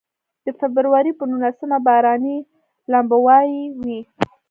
د فبروري په نولسمه باراني لمباوې وې.